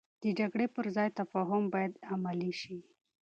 د جګړې پر ځای تفاهم باید عملي شي.